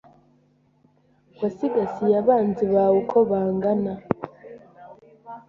Wasigasiye abanzi bawe ukobangana